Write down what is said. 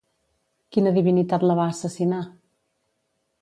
Quina divinitat la va assassinar?